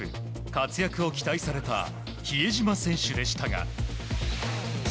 活躍を期待された比江島選手でしたが。